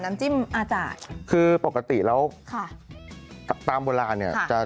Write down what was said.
ข้างบัวแห่งสันยินดีต้อนรับทุกท่านนะครับ